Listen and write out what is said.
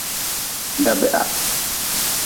Dabeha.